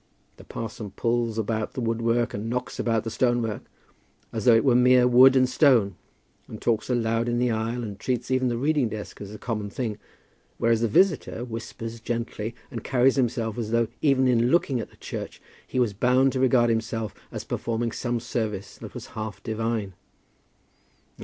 The parson pulls about the woodwork and knocks about the stonework, as though it were mere wood and stone; and talks aloud in the aisle, and treats even the reading desk as a common thing; whereas the visitor whispers gently, and carries himself as though even in looking at a church he was bound to regard himself as performing some service that was half divine.